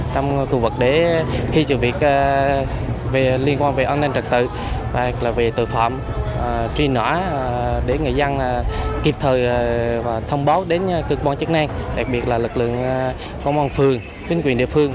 trong khu vực để khi sự việc liên quan về an ninh trật tự